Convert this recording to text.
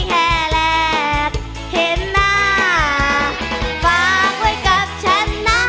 แค่แรกเห็นหน้าฝากไว้กับฉันนะ